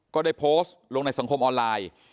ก็ได้โพสต์ลงในสังคมออนไลน์